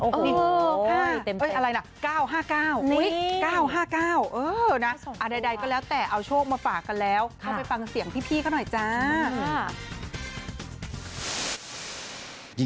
โอ้โหเต็มอะไรนะ๙๕๙๙๕๙เออนะอาดัยก็แล้วแต่เอาโชคมาฝากกันแล้วเข้าไปฟังเสียงพี่ก็หน่อยจ้า